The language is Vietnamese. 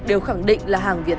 khi chúng tôi thắc mắc